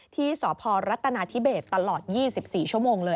ที่สพรัฐนาธิเบสตลอด๒๔ชั่วโมงเลย